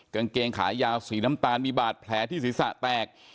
กางเกงขายาวสีน้ำตาลมีบาดแผลที่ศีรษะแตก